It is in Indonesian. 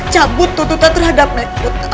cabut tuntutan terhadap mike putri